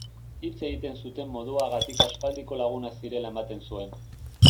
Hitz egiten zuten moduagatik aspaldiko lagunak zirela ematen zuen.